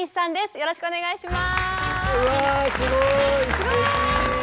よろしくお願いします。